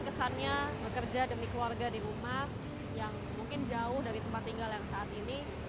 kesannya bekerja demi keluarga di rumah yang mungkin jauh dari tempat tinggal yang saat ini